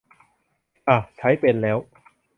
อ่ะ ใช้เป็นแล้ว